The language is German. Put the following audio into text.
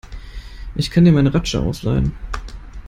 Ich kann dir meine Ratsche ausleihen.